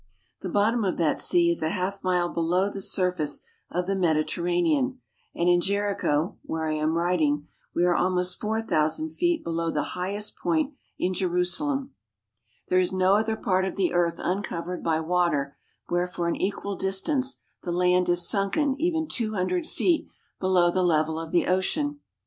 The bottom of that sea is a half mile below the surface of the Mediterannean, and in Jericho, where I am writing, we are almost four thou sand feet below the highest point in Jerusalem. There is 129 THE HOLY LAND AND SYRIA no other part of the earth uncovered by water where for an equal distance the land is sunken even two hundred feet below the level of the ocean.